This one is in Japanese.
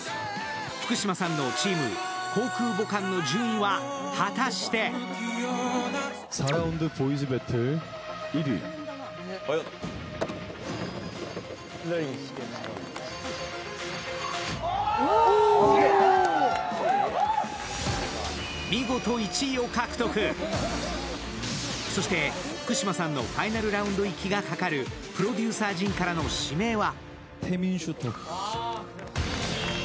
福嶌さんののチーム・航空母艦の順位は果たしてそして、福嶌さんのファイナルラウンド行きがかかるプロデューサー陣からの指名は。